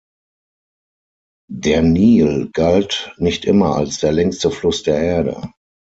Der Nil galt nicht immer als der längste Fluss der Erde.